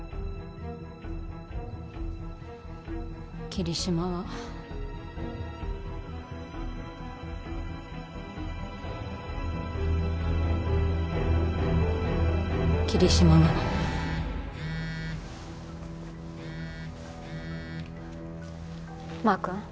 桐島は桐島がマー君？